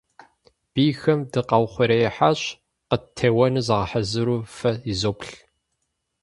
Бийхэм дыкъаухъуреихьащ, къыттеуэну загъэхьэзыру фэ изоплъ.